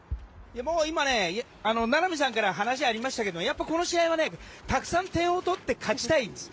今、名波さんから話がありましたけどやっぱりこの試合はたくさん点を取って勝ちたいんです。